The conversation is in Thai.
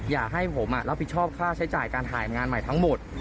อยากให้ผมรับผิดชอบค่าใช้จ่ายการถ่ายงานใหม่ทั้งหมด